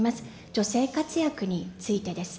女性活躍についてです。